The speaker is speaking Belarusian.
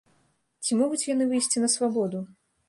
Ці могуць яны выйсці на свабоду?